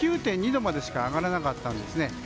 ９．２度までしか上がらなかったんですね。